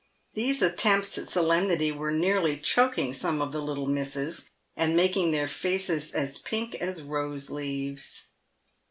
These attempts at solemnity were nearly choking some of the little misses, and making their faces as pink as rose leaves.